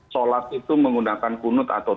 sholat itu menggunakan kunut atau